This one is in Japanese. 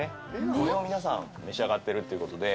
これを皆さん召し上がってるということで。